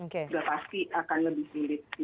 sudah pasti akan lebih sulit